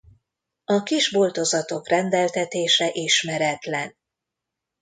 A kis boltozatok rendeltetése ismeretlen.